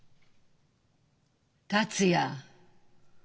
達也。